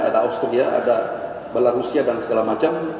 ada austria ada belarusia dan segala macam